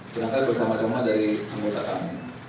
berangkat bersama sama dari pemutatan